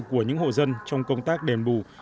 của những hộ dân trong công tác đền bù